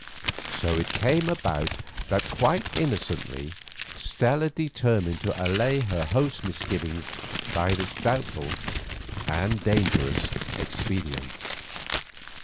So it came about that quite innocently Stella determined to allay her host's misgivings by this doubtful and dangerous expedient.